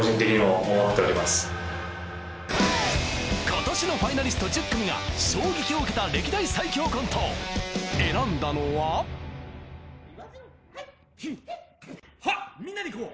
今年のファイナリスト１０組が衝撃を受けた歴代最強コント選んだのはヒュンガラッ！